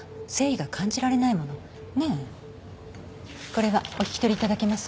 これはお引き取りいただけます？